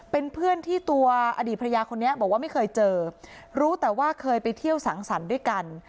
เป็นเพื่อนที่ตัวอดีตภรรยาคนนี้บอกว่าไม่เคยเจอรู้แต่ว่าเคยไปเที่ยวสังสรรค์ด้วยกัน